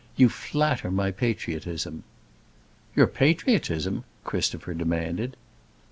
You flatter my patriotism." "Your patriotism?" Christopher demanded.